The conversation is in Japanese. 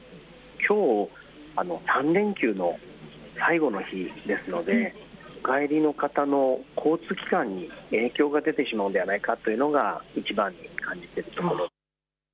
きょう３連休の最後の日ですので帰りの方の交通機関に影響が出てしまうのではないかというのがいちばんに感じているところ。